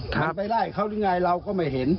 มันไปไล่เขาหรือไงเราก็ไม่เห็น